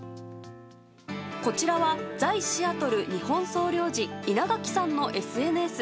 こちらは在シアトル日本総領事稲垣さんのＳＮＳ。